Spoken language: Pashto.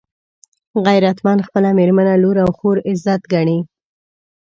غیرتمند خپله مېرمنه، لور او خور عزت ګڼي